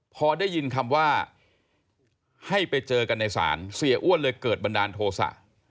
พอได้ยินคำว่าให้ไปเจอกันในศาลเสียอ้วนเลยเกิดบันดาลโทษะ